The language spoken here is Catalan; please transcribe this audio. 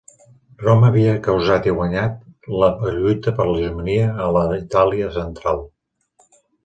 Roma havia causat i guanyat la lluita per l'hegemonia a la Itàlia central.